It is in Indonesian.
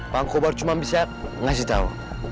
bangkobar cuma bisa ngasih tahu